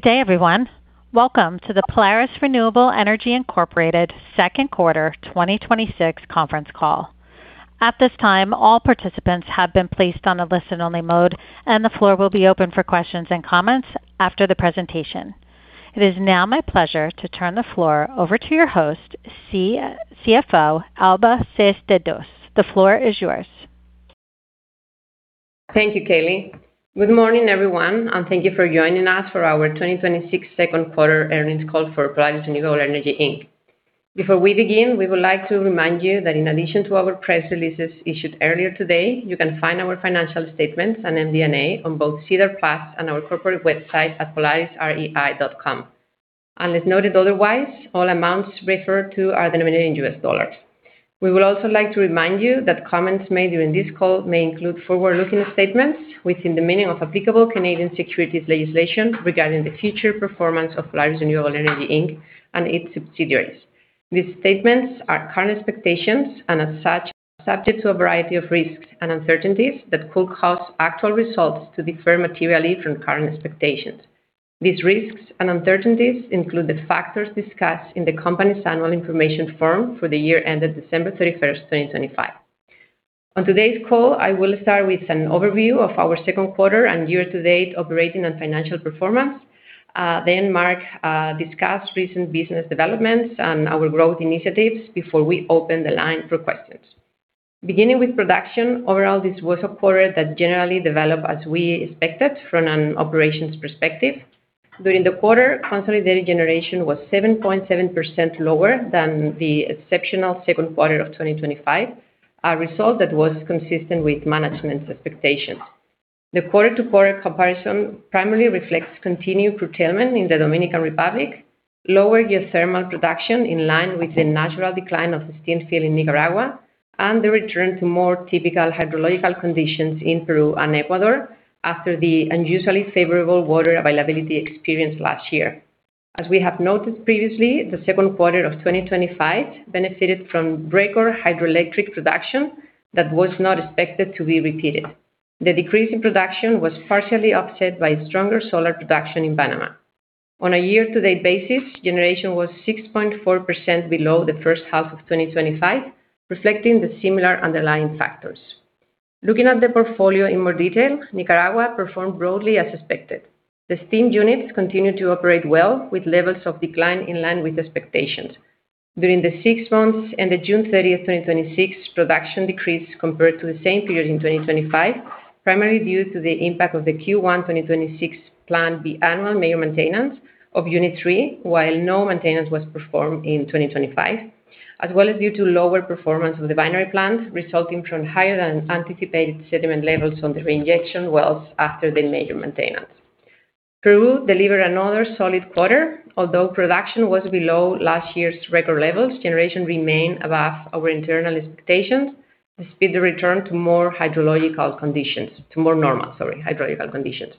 Good day, everyone. Welcome to the Polaris Renewable Energy Incorporated Second Quarter 2026 Conference Call. At this time, all participants have been placed on a listen-only mode, and the floor will be open for questions and comments after the presentation. It is now my pleasure to turn the floor over to your host, Chief Financial Officer, Alba Seisdedos, the floor is yours. Thank you, Kaylee. Good morning, everyone, and thank you for joining us for our 2026 Second Quarter Earnings Call for Polaris Renewable Energy Inc. Before we begin, we would like to remind you that in addition to our press releases issued earlier today, you can find our financial statements and MD&A on both SEDAR+ and our corporate website at polarisrei.com. Unless noted otherwise, all amounts referred to are denominated in U.S. dollars. We would also like to remind you that comments made during this call may include forward-looking statements within the meaning of applicable Canadian securities legislation regarding the future performance of Polaris Renewable Energy Inc. and its subsidiaries. These statements are current expectations, and as such, subject to a variety of risks and uncertainties that could cause actual results to differ materially from current expectations. These risks and uncertainties include the factors discussed in the company's annual information form for the year ended December 31, 2025. On today's call, I will start with an overview of our second quarter and year-to-date operating and financial performance. Marc will discuss recent business developments and our growth initiatives before we open the line for questions. Beginning with production, overall, this was a quarter that generally developed as we expected from an operations perspective. During the quarter, consolidated generation was 7.7% lower than the exceptional second quarter of 2025, a result that was consistent with management's expectations. The quarter-to-quarter comparison primarily reflects continued curtailment in the Dominican Republic, lower geothermal production in line with the natural decline of the steam field in Nicaragua, and the return to more typical hydrological conditions in Peru and Ecuador after the unusually favorable water availability experienced last year. As we have noted previously, the second quarter of 2025 benefited from record hydroelectric production that was not expected to be repeated. The decrease in production was partially offset by stronger solar production in Panama. On a year-to-date basis, generation was 6.4% below the first half of 2025, reflecting the similar underlying factors. Looking at the portfolio in more detail, Nicaragua performed broadly as expected. The steam units continued to operate well, with levels of decline in line with expectations. During the six months ended June 30, 2026, production decreased compared to the same period in 2025, primarily due to the impact of the Q1 2026 planned biannual major maintenance of Unit 3, while no maintenance was performed in 2025, as well as due to lower performance of the binary plant, resulting from higher-than-anticipated sediment levels on the reinjection wells after the major maintenance. Peru delivered another solid quarter. Although production was below last year's record levels, generation remained above our internal expectations, despite the return to more hydrological conditions, to more normal, sorry, hydrological conditions.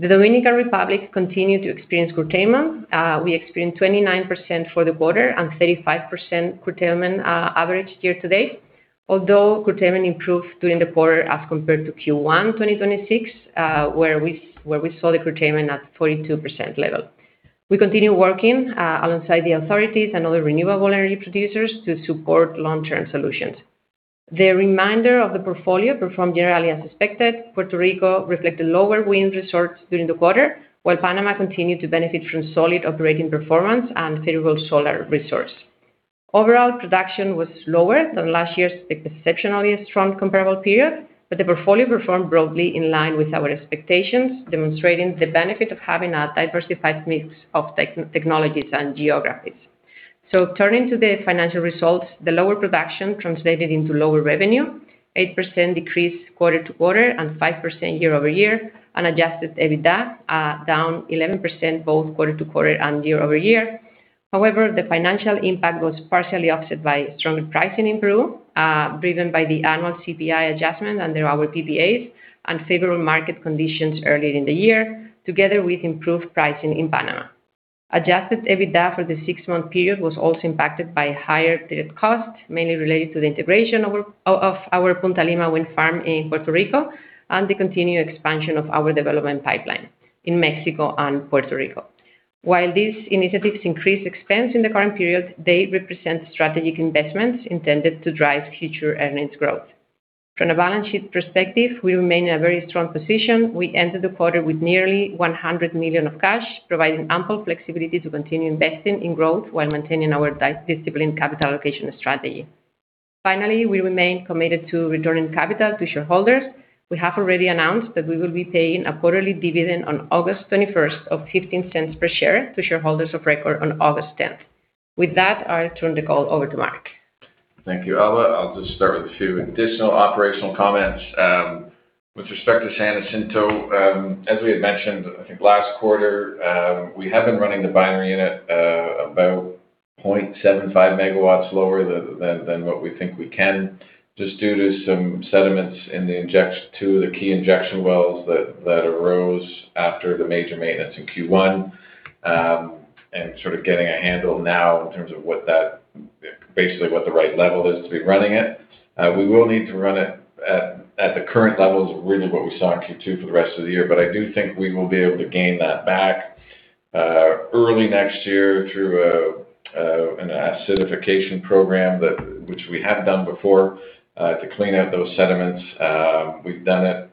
The Dominican Republic continued to experience curtailment. We experienced 29% for the quarter and 35% curtailment average year-to-date. Although curtailment improved during the quarter as compared to Q1 2026, where we saw the curtailment at 42% level. We continue working alongside the authorities and other renewable energy producers to support long-term solutions. The remainder of the portfolio performed generally as expected. Puerto Rico reflected lower wind resource during the quarter, while Panama continued to benefit from solid operating performance and favorable solar resource. Overall, production was lower than last year's exceptionally strong comparable period, but the portfolio performed broadly in line with our expectations, demonstrating the benefit of having a diversified mix of technologies and geographies. Turning to the financial results, the lower production translated into lower revenue, 8% decrease quarter-to-quarter and 5% year-over-year, and adjusted EBITDA down 11%, both quarter-to-quarter and year-over-year. However, the financial impact was partially offset by stronger pricing in Peru, driven by the annual CPI adjustment under our PPAs and favorable market conditions earlier in the year, together with improved pricing in Panama. Adjusted EBITDA for the six-month period was also impacted by higher direct costs, mainly related to the integration of our Punta Lima wind farm in Puerto Rico and the continued expansion of our development pipeline in Mexico and Puerto Rico. While these initiatives increase expense in the current period, they represent strategic investments intended to drive future earnings growth. From a balance sheet perspective, we remain in a very strong position. We entered the quarter with nearly $100 million of cash, providing ample flexibility to continue investing in growth while maintaining our disciplined capital allocation strategy. Finally, we remain committed to returning capital to shareholders. We have already announced that we will be paying a quarterly dividend on August 21 of $0.15 per share to shareholders of record on August 10. With that, I turn the call over to Marc. Thank you, Alba. I'll just start with a few additional operational comments. With respect to San Jacinto, as we had mentioned, I think last quarter, we have been running the binary unit about 0.75 MW lower than what we think we can, just due to some sediments in two of the key injection wells that arose after the major maintenance in Q1, and sort of getting a handle now in terms of what that may. Basically what the right level is to be running it. We will need to run it at the current levels, really what we saw in Q2 for the rest of the year. I do think we will be able to gain that back early next year through an acidification program, which we have done before, to clean out those sediments. We've done it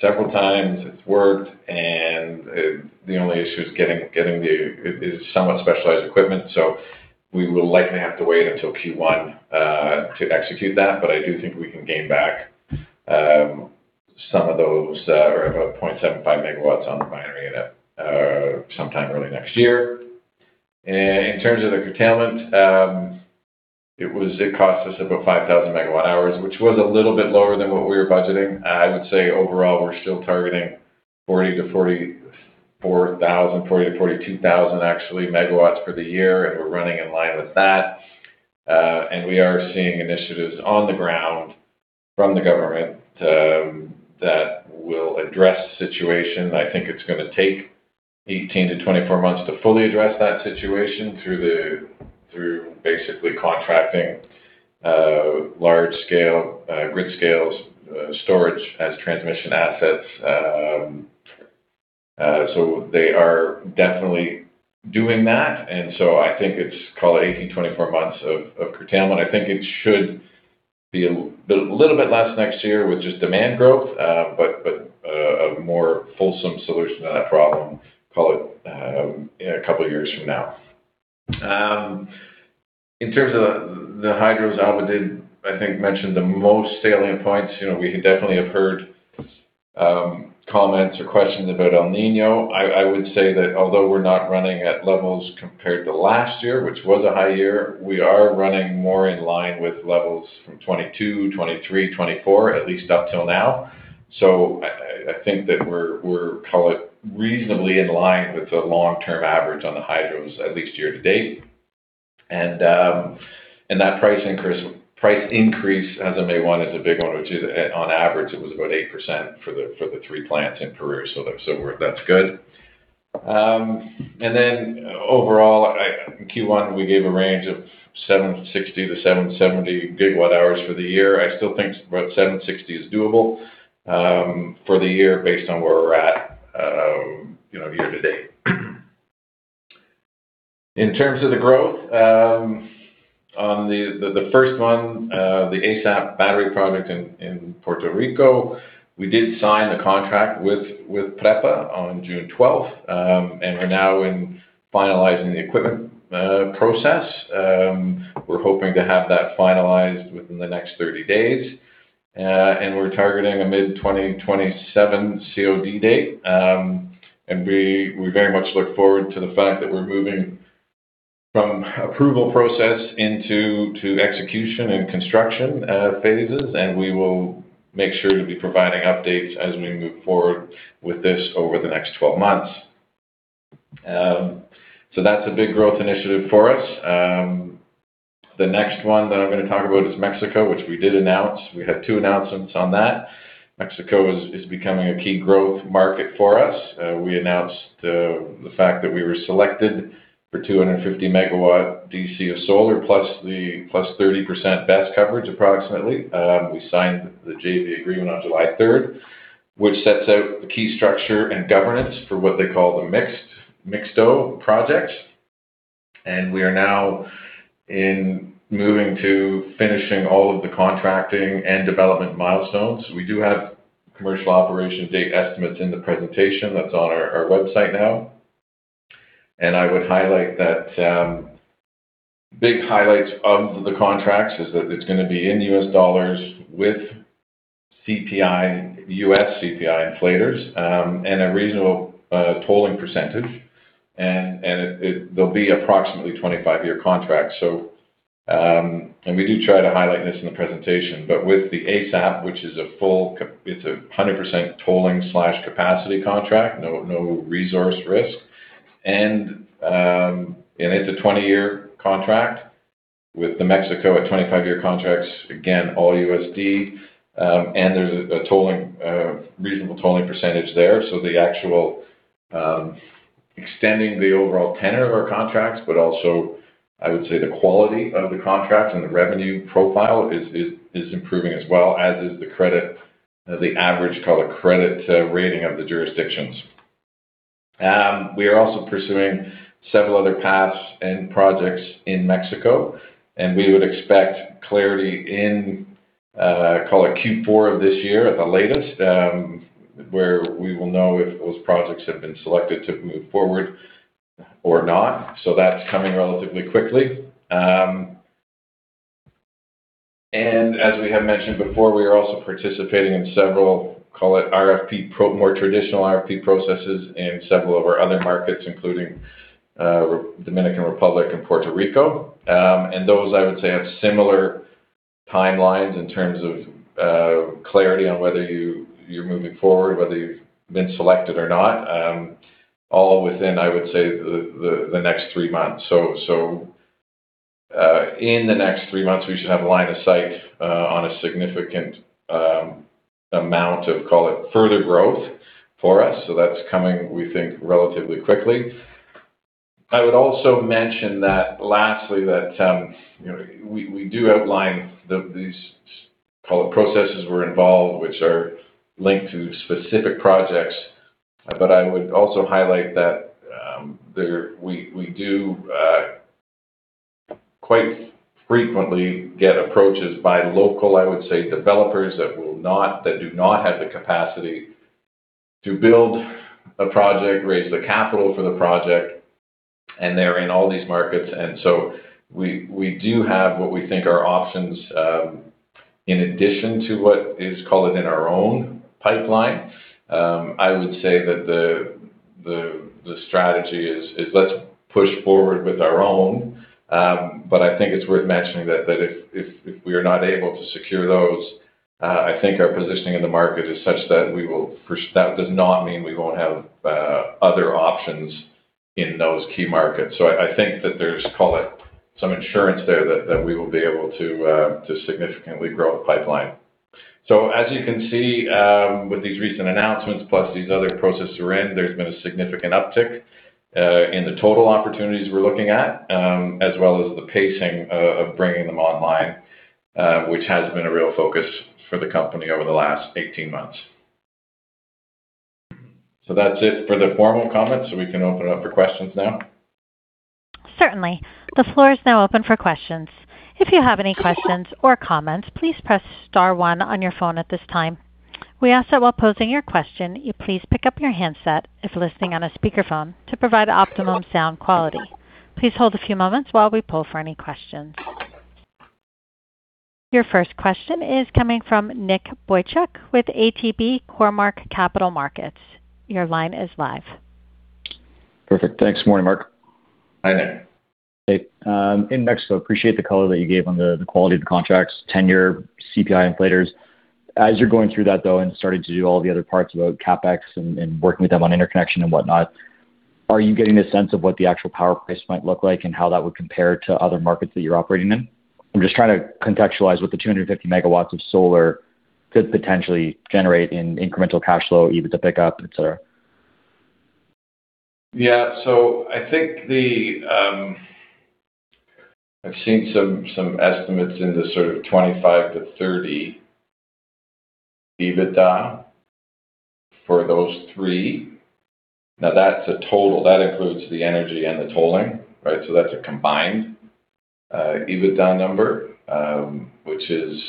several times. It's worked, the only issue is getting the somewhat specialized equipment. We will likely have to wait until Q1 to execute that. I do think we can gain back some of those, or about 0.75 MW on the binary unit, sometime early next year. In terms of the curtailment, it cost us about 5,000 MWh, which was a little bit lower than what we were budgeting. I would say overall, we're still targeting 40,000 MW-44,000 MW, 40,000 MW-42,000 MW actually, megawatts for the year, and we're running in line with that. We are seeing initiatives on the ground from the government that will address the situation. I think it's going to take 18 months to 24 months to fully address that situation through basically contracting large-scale, grid-scale storage as transmission assets. They are definitely doing that. I think it's call it 18 months to 24 months of curtailment. I think it should be a little bit less next year with just demand growth, but a more fulsome solution to that problem, call it a couple of years from now. In terms of the hydros, Alba did, I think, mention the most salient points. We definitely have heard comments or questions about El Niño. I would say that although we're not running at levels compared to last year, which was a high year, we are running more in line with levels from 2022, 2023, 2024, at least up till now. I think that we're, call it reasonably in line with the long-term average on the hydros, at least year to date. That price increase out of May 1 is a big one, which is on average, it was about 8% for the three plants in Peru. That's good. Overall, in Q1, we gave a range of 760 GWh to 770 GWh for the year. I still think about 760 GWh is doable for the year based on where we're at year to date. In terms of the growth, on the first one, the ASAP battery project in Puerto Rico, we did sign the contract with PREPA on June 12. We're now in finalizing the equipment process. We're hoping to have that finalized within the next 30 days. We're targeting a mid-2027 COD date. We very much look forward to the fact that we're moving from approval process into execution and construction phases. We will make sure to be providing updates as we move forward with this over the next 12 months. That's a big growth initiative for us. The next one that I'm going to talk about is Mexico, which we did announce. We had two announcements on that. Mexico is becoming a key growth market for us. We announced the fact that we were selected for 250 MW DC of solar plus 30% BESS coverage approximately. We signed the JV agreement on July 3, which sets out the key structure and governance for what they call the Mixto Project. We are now moving to finishing all of the contracting and development milestones. We do have commercial operation date estimates in the presentation that's on our website now. I would highlight that big highlights of the contracts is that it's going to be in U.S. dollars with U.S. CPI inflators and a reasonable tolling percentage. They'll be approximately 25-year contracts. We do try to highlight this in the presentation, but with the ASAP, which is a 100% tolling/capacity contract, no resource risk. It's a 20-year contract. With the Mexico at 25-year contracts, again, all USD, and there's a reasonable tolling percentage there. The actual extending the overall tenor of our contracts, but also I would say the quality of the contracts and the revenue profile is improving as well, as is the credit, the average, call it credit rating of the jurisdictions. We are also pursuing several other paths and projects in Mexico, we would expect clarity in, call it Q4 of this year at the latest, where we will know if those projects have been selected to move forward or not. That's coming relatively quickly. As we have mentioned before, we are also participating in several, call it more traditional RFP processes in several of our other markets, including Dominican Republic and Puerto Rico. Those, I would say, have similar timelines in terms of clarity on whether you're moving forward, whether you've been selected or not, all within, I would say, the next three months. In the next three months, we should have a line of sight on a significant amount of, call it further growth for us. That's coming, we think, relatively quickly. I would also mention lastly that we do outline these processes we're involved, which are linked to specific projects, but I would also highlight that we do quite frequently get approaches by local, I would say, developers that do not have the capacity to build a project, raise the capital for the project, and they're in all these markets. We do have what we think are options in addition to what is, call it, in our own pipeline. I would say that the strategy is let's push forward with our own. I think it's worth mentioning that if we are not able to secure those, I think our positioning in the market is such that does not mean we won't have other options in those key markets. I think that there's, call it, some insurance there that we will be able to significantly grow the pipeline. As you can see with these recent announcements, plus these other processes we're in, there's been a significant uptick in the total opportunities we're looking at, as well as the pacing of bringing them online, which has been a real focus for the company over the last 18 months. That's it for the formal comments, we can open it up for questions now. Certainly. The floor is now open for questions. If you have any questions or comments, please press star one on your phone at this time. We ask that while posing your question, you please pick up your handset if listening on a speakerphone to provide optimum sound quality. Please hold a few moments while we poll for any questions. Your first question is coming from Nicholas Boychuk with ATB Cormark Capital Markets, your line is live. Perfect. Thanks. Morning, Marc? Hi, Nick. Hey. In Mexico, appreciate the color that you gave on the quality of the contracts, 10-year CPI inflators. As you're going through that, though, and starting to do all the other parts about CapEx and working with them on interconnection and whatnot, are you getting a sense of what the actual power price might look like and how that would compare to other markets that you're operating in? I'm just trying to contextualize what the 250 MW of solar could potentially generate in incremental cash flow, EBITDA pickup, et cetera. Yeah. I think I've seen some estimates in the sort of $25 million to $30 million EBITDA for those three. That's a total. That includes the energy and the tolling, right? That's a combined EBITDA number, which is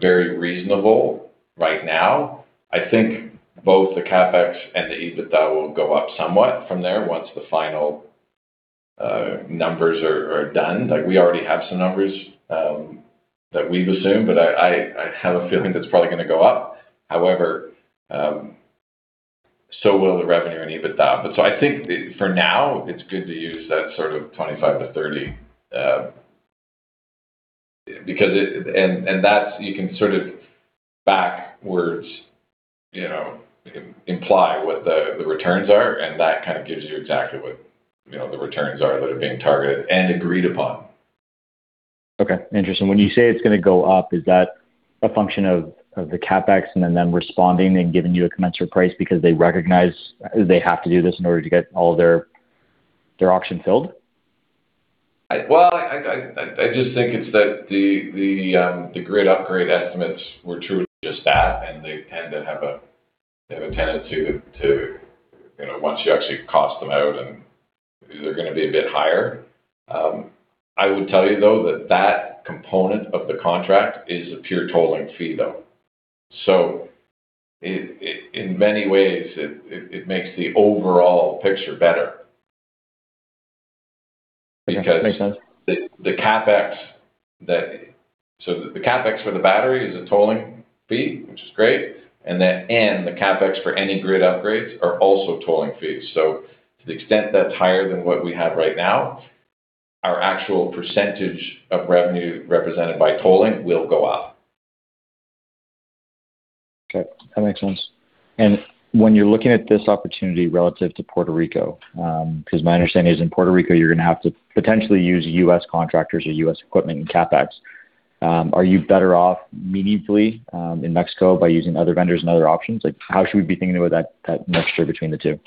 very reasonable right now. I think both the CapEx and the EBITDA will go up somewhat from there once the final numbers are done. We already have some numbers that we've assumed, but I have a feeling that's probably going to go up. However, so will the revenue and EBITDA. I think for now, it's good to use that sort of $25 million to $30 million, and that you can sort of backwards imply what the returns are, and that kind of gives you exactly what the returns are that are being targeted and agreed upon. Okay. Interesting. When you say it's going to go up, is that a function of the CapEx and then them responding and giving you a commensurate price because they recognize they have to do this in order to get all their auction filled? I just think it's that the grid upgrade estimates were truly just that, and they have a tendency to, once you actually cost them out, they're going to be a bit higher. I would tell you, though, that that component of the contract is a pure tolling fee, though. In many ways it makes the overall picture better. Makes sense. The CapEx for the battery is a tolling fee, which is great, and the CapEx for any grid upgrades are also tolling fees. To the extent that is higher than what we have right now, our actual percentage of revenue represented by tolling will go up. Okay. That makes sense. When you are looking at this opportunity relative to Puerto Rico, because my understanding is in Puerto Rico, you are going to have to potentially use U.S. contractors or U.S. equipment and CapEx. Are you better off meaningfully in Mexico by using other vendors and other options? How should we be thinking about that mixture between the two?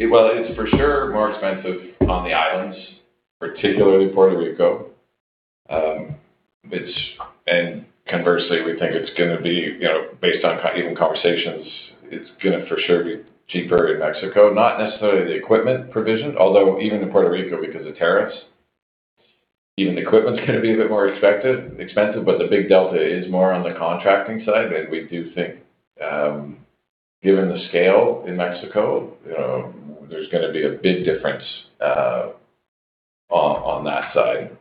Well, it is for sure more expensive on the islands, particularly Puerto Rico. Conversely, we think it is going to be, based on even conversations, it is going to for sure be cheaper in Mexico. Not necessarily the equipment provision, although even in Puerto Rico, because of tariffs, even the equipment is going to be a bit more expensive, but the big delta is more on the contracting side. We do think given the scale in Mexico, there is going to be a big difference on that side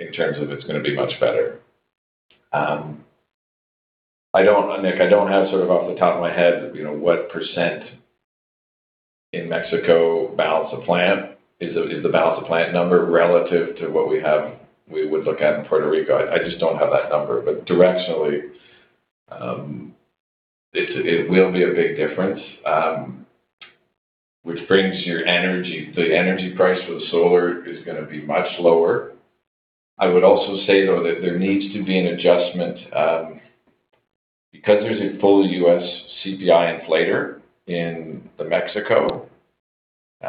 in terms of it is going to be much better. Nick, I do not have sort of off the top of my head what percent in Mexico balance of plant is the balance of plant number relative to what we would look at in Puerto Rico. I just do not have that number. Directionally, it will be a big difference. Which brings your energy. The energy price for the solar is going to be much lower. I would also say, though, that there needs to be an adjustment. Because there is a full U.S. CPI inflator in the Mexico, you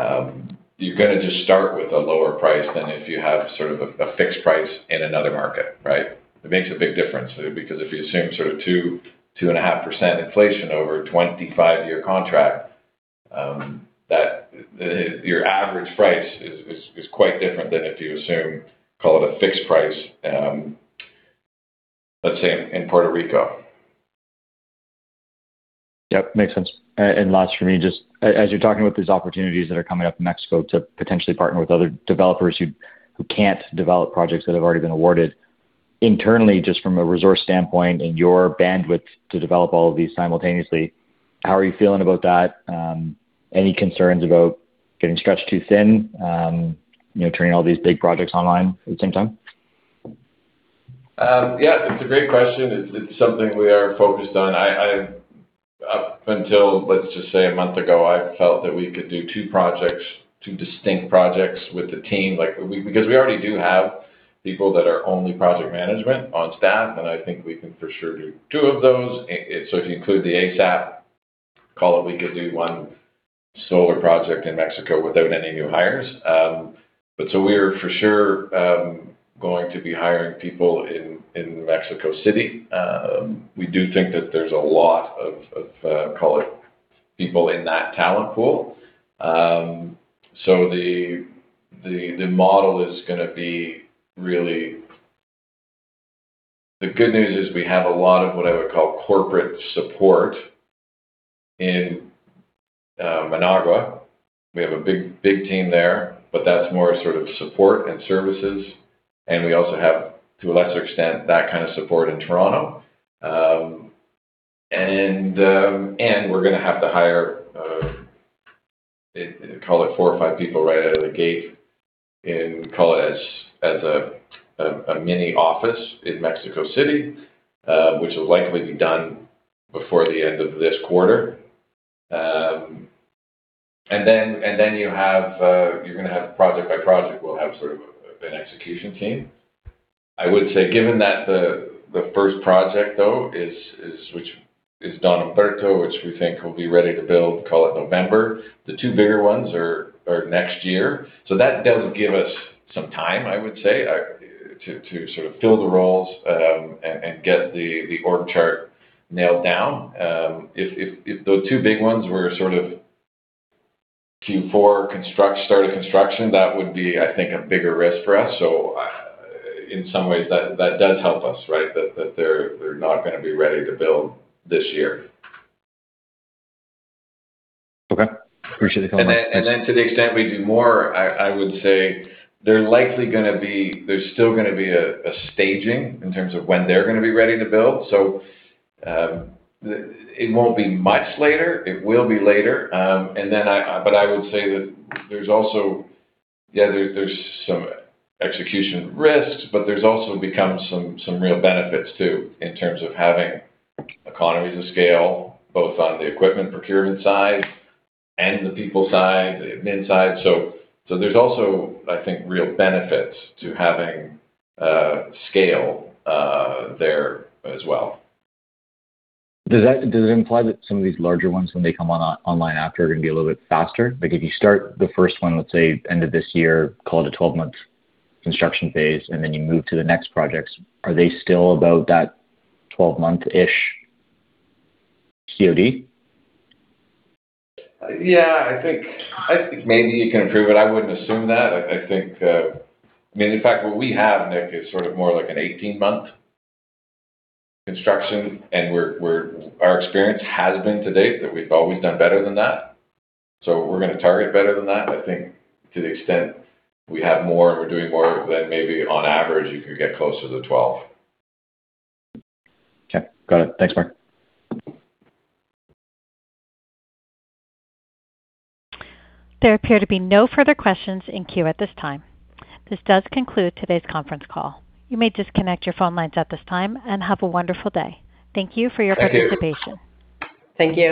are going to just start with a lower price than if you have sort of a fixed price in another market, right? It makes a big difference because if you assume sort of 2%, 2.5% inflation over a 25-year contract, your average price is quite different than if you assume, call it a fixed price, let us say, in Puerto Rico. Yep, makes sense. Last for me, just as you're talking about these opportunities that are coming up in Mexico to potentially partner with other developers who can't develop projects that have already been awarded. Internally, just from a resource standpoint and your bandwidth to develop all of these simultaneously, how are you feeling about that? Any concerns about getting stretched too thin? Turning all these big projects online at the same time? Yeah, it's a great question. It's something we are focused on. Up until, let's just say, a month ago, I felt that we could do two projects, two distinct projects with the team. Because we already do have people that are only project management on staff, and I think we can for sure do two of those. If you include the ASAP, call it we could do one solar project in Mexico without any new hires. We are for sure going to be hiring people in Mexico City. We do think that there's a lot of, call it people in that talent pool. The good news is we have a lot of what I would call corporate support in Managua. We have a big team there. That's more sort of support and services, and we also have, to a lesser extent, that kind of support in Toronto. We're going to have to hire, call it four or five people right out of the gate in, call it as a mini office in Mexico City. Which will likely be done before the end of this quarter. You're going to have project by project. We'll have sort of an execution team. I would say given that the first project, though, is Don Humberto, which we think will be ready to build, call it November. The two bigger ones are next year. That does give us some time, I would say, to sort of fill the roles and get the org chart nailed down. If those two big ones were sort of Q4 start of construction, that would be, I think, a bigger risk for us. In some ways, that does help us, right? That they're not going to be ready to build this year. Okay. Appreciate the comment. To the extent we do more, I would say they're likely there's still going to be a staging in terms of when they're going to be ready to build. It won't be much later. It will be later. I would say that there's some execution risks, but there's also become some real benefits, too, in terms of having economies of scale, both on the equipment procurement side and the people side, the admin side. There's also, I think, real benefits to having scale there as well. Does it imply that some of these larger ones, when they come online after, are going to be a little bit faster? Like if you start the first one, let's say, end of this year, call it a 12-month construction phase, and then you move to the next projects. Are they still about that 12-month-ish COD? Yeah. I think maybe you can improve it. I wouldn't assume that. I think, I mean, in fact, what we have, Nick, is sort of more like an 18-month construction, and our experience has been to date that we've always done better than that. We're going to target better than that. I think to the extent we have more and we're doing more than maybe on average, you could get closer to 12month Okay. Got it. Thanks, Marc. There appear to be no further questions in queue at this time. This does conclude today's conference call. You may disconnect your phone lines at this time, and have a wonderful day. Thank you for your participation. Thank you. Thank you.